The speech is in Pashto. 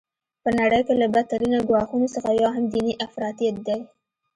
په نړۍ کي له بد ترینه ګواښونو څخه یو هم دیني افراطیت دی.